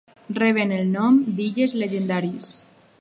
Reben el nom d'illes llegendàries.